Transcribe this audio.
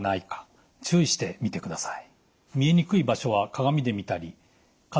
注意して見てください。